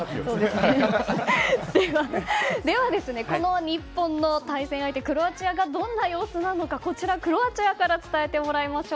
では、この日本の対戦相手クロアチアがどんな様子なのかクロアチアから伝えてもらいましょう。